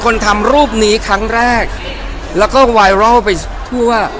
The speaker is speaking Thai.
และก็ไวรัลไปทั่ว